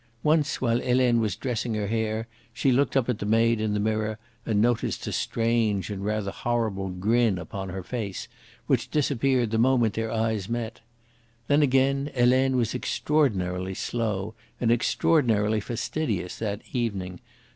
Once while Helene was dressing her hair she looked up at the maid in the mirror and noticed a strange and rather horrible grin upon her face, which disappeared the moment their eyes met. Then again, Helene was extraordinarily slow and extraordinarily fastidious that evening.